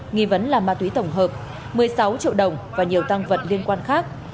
nghi vấn là ma túy tổng hợp một mươi sáu triệu đồng và nhiều tăng vật liên quan khác